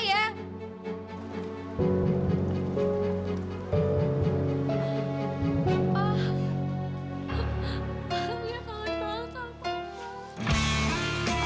ibu ya jangan jangan jangan pak